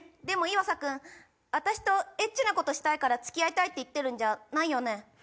でも岩佐君私とエッチなことしたいから付き合いたいって言ってるんじゃないよね？